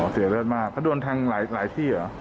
เสียเลือดมากเขาโดนแทงหลายที่เหรอ